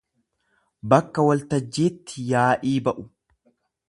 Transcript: Bakka waltajjiitti yaa'ii ba'u.